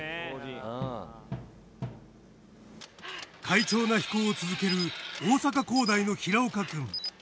・快調な飛行を続ける大阪工大の平岡くん